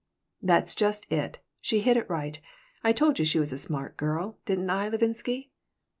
"That's just it. She hit it right. I told you she was a smart girl, didn't I, Levinsky?"